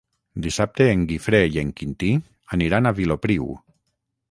Dissabte en Guifré i en Quintí aniran a Vilopriu.